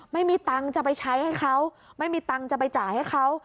ไม่มีตังค์จะไปใช้ให้เขาไม่มีตังค์จะไปจ่ายให้เขา